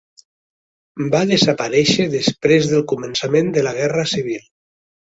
Va desaparèixer després del començament de la Guerra civil.